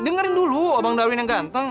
dengerin dulu abang darwin yang ganteng